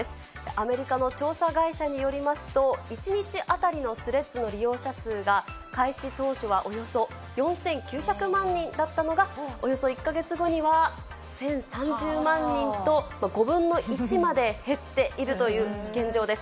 アメリカの調査会社によりますと、１日当たりのスレッズの利用者数が、開始当初はおよそ４９００万人だったのが、およそ１か月後には、１０３０万人と、５分の１まで減っているという現状です。